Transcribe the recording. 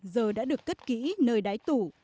giờ đã được cất kỹ nơi đái tủ